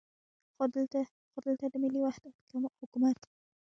خو دلته د ملي وحدت حکومت.